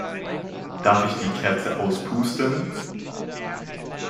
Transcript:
Darf ich die Kerze auspusten?